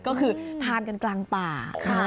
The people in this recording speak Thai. ก็คือทานกันกลางป่า